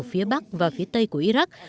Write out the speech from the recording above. phía bắc và phía tây của iraq